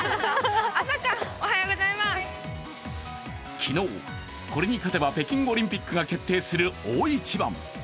昨日これに勝てば北京オリンピックが決定する大一番。